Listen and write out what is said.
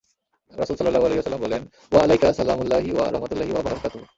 রাসূল সাল্লাল্লাহু আলাইহি ওয়াসাল্লাম বললেন, ওয়া আলাইকা সালামুল্লাহি ওয়া রহমাতুল্লাহি ওয়া বারাকাতুহু।